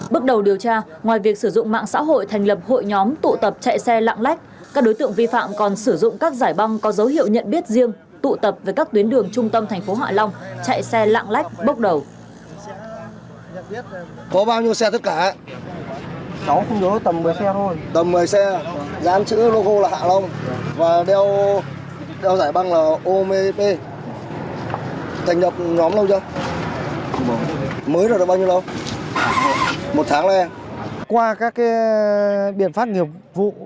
bước đầu điều tra ngoài việc sử dụng mạng xã hội thành lập hội nhóm tụ tập chạy xe lạng lách các đối tượng vi phạm còn sử dụng các giải băng có dấu hiệu nhận biết riêng tụ tập về các tuyến đường trung tâm tp hạ long chạy xe lạng lách bốc đầu